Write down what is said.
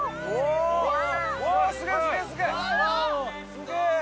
すげえ！